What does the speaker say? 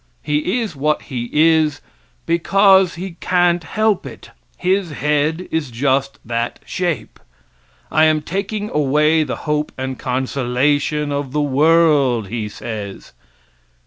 He is what he is because he can't help it. His head is just that shape. I am taking away the hope and consolation of the world, he says.